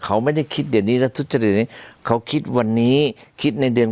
เขาไม่ได้คิดเดี๋ยวนี้แล้วทุจริตนี้เขาคิดวันนี้คิดในเดือน